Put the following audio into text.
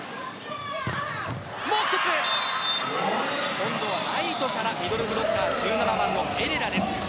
今度はサイドからミドルブロッカーのエレラです。